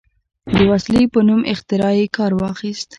د وسلې په نوم اختراع یې کار واخیست.